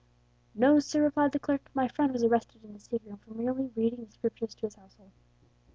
"No, sir," replied the clerk; "my friend was arrested in his sick room for merely reading the Scriptures to his household!"